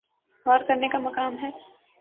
غور کرنے کا مقام ہے۔